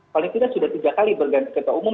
paling tidak sudah tiga kali berganti ketua umum